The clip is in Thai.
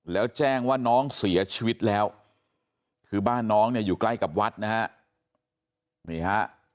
แล้วแจ้งว่าน้องเสียชีวิตแล้วคือบ้านน้องเนี่ยอยู่ใกล้กับวัดนะฮะนี่ฮะ